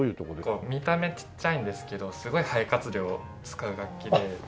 見た目ちっちゃいんですけどすごい肺活量を使う楽器で。